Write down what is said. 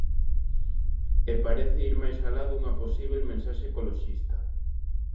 E parece ir máis alá dunha posíbel mensaxe ecoloxista.